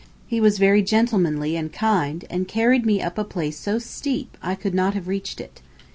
He was very gentlemanly and kind and carried me up a place so steep I could not have reached it.